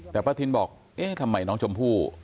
แต่ป้าทินบอกเอ๊ะทำไมน้องชมพู่